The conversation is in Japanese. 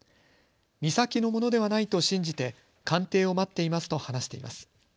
美咲のものではないと信じて鑑定を待っていますと話しています。